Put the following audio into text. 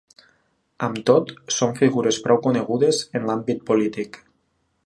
Amb tot, són figures prou conegudes en l’àmbit polític.